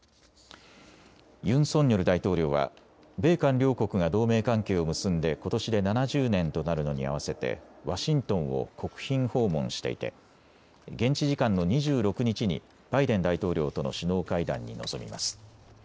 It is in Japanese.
ユン・ソンニョル大統領は米韓両国が同盟関係を結んでことしで７０年となるのに合わせてワシントンを国賓訪問していて現地時間の２６日にバイデン大統領との首脳会談に臨みます。